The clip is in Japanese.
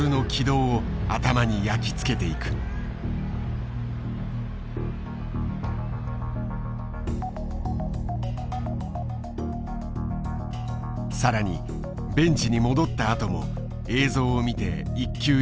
更にベンチに戻ったあとも映像を見て一球一球振り返った。